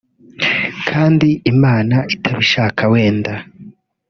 kandi Imana itabishaka wenda